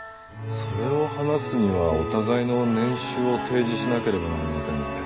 それを話すにはお互いの年収を提示しなければなりませんね。